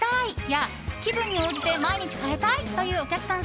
や気分に応じて毎日変えたいというお客さん